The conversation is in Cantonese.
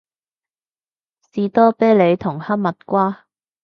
士多啤梨同哈蜜瓜